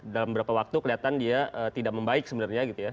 dalam beberapa waktu kelihatan dia tidak membaik sebenarnya gitu ya